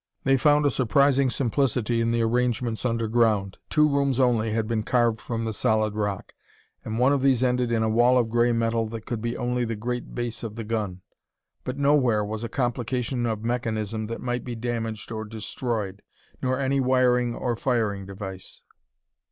They found a surprising simplicity in the arrangements underground. Two rooms only had been carved from the solid rock, and one of these ended in a wall of gray metal that could be only the great base of the gun. But nowhere was a complication of mechanism that might be damaged or destroyed, nor any wiring or firing device.